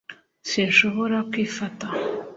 sinshobora kwifata